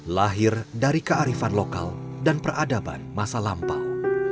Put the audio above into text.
lahir dari kearifan lokal dan peradaban masa lampau